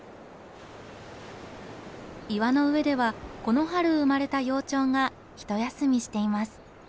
岩の上ではこの春生まれた幼鳥が一休みしています。